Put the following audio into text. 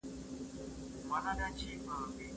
که د سرچینو پته ورنکړل سي نو دا علمي غلا ګڼل کیږي.